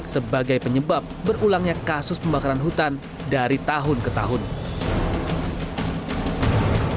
sebagai penyebab berulangnya kasus pembakaran hutan dari tahun ini